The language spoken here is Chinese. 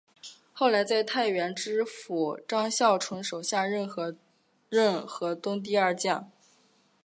后在太原知府张孝纯手下任河东第二将。